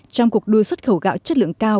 trong cuộc đua xuất khẩu gạo chất lượng cao